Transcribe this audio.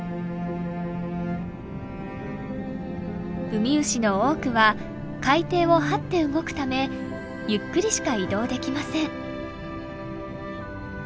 ウミウシの多くは海底をはって動くためゆっくりしか移動できません。